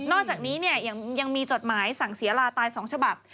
อกจากนี้ยังมีจดหมายสั่งเสียลาตาย๒ฉบับ